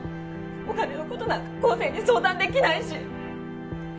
お金のことなんか光晴に相談できないし！